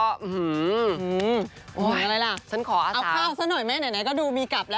อะไรล่ะฉันขอเอาข้าวซะหน่อยไหมไหนก็ดูมีกลับแล้ว